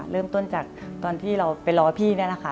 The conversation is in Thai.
เริ่มต้นจากตอนที่เราไปรอพี่นี่แหละค่ะ